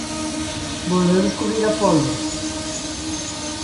¡Volveu descubrir a pólvora!